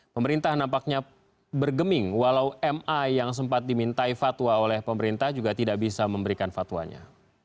pemerintah nampaknya bergeming walau ma yang sempat dimintai fatwa oleh pemerintah juga tidak bisa memberikan fatwanya